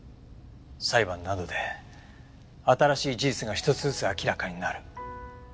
裁判などで新しい事実が１つずつ明らかになる。